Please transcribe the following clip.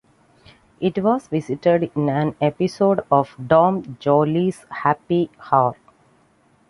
It was visited in an episode of "Dom Joly's Happy Hour".